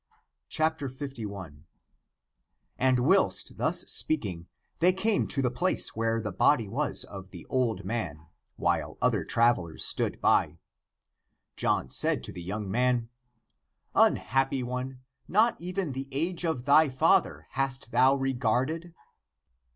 51. And w^hilst thus speaking, they came to the place where the body was of the old man, while other travelers stood by. John said to the young man, " Unhappy one, not even the age of thy father hast thou regarded